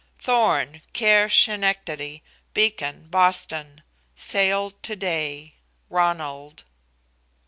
THORN, care Schenectady, Beacon, Boston. Sailed to day. RONALD.